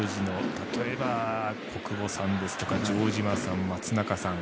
例えば、小久保さんですとか城島さん松永さん。